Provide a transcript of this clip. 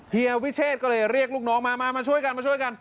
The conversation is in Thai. เฮียวิเชษก็เลยเรียกลูกน้องมามาช่วยกัน